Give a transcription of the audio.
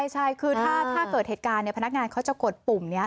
ใช่คือถ้าเกิดเหตุการณ์พนักงานเขาจะกดปุ่มนี้